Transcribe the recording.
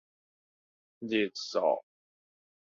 日素